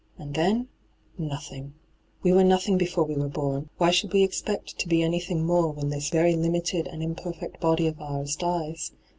And then ? Nothing ! We were nothing before we were bom : why should we expect to be anything more when this very limited and imperfect body of ours dies